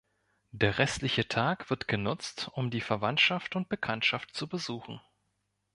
Der restliche Tag wird genutzt, um die Verwandtschaft und Bekanntschaft zu besuchen.